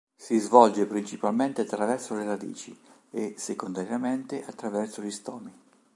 Si svolge principalmente attraverso le radici e secondariamente attraverso gli stomi.